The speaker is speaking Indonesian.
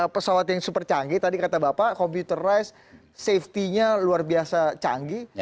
pesawat yang super canggih tadi kata bapak computerized safety nya luar biasa canggih